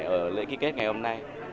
ở lễ kỳ kết ngày hôm nay